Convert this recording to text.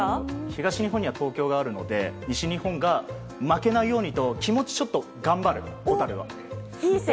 東日本には東京があるので西日本が負けないようにと気持ちちょっと頑張る、ホタルが。